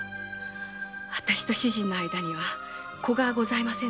私と主人の間には子がございませんでした。